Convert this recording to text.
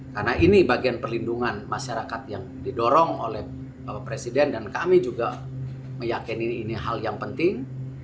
karena ini bagian perlindungan masyarakat yang didorong oleh bapak presiden dan kami juga meyakini ini hal yang penting